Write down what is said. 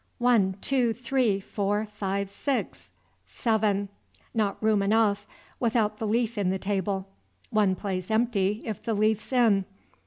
One, two, three, four, five, six, seven; not room enough, without the leaf in the table; one place empty, if the leaf's in.